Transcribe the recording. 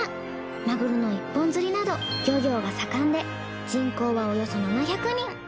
マグロの一本釣りなど漁業が盛んで人口はおよそ７００人。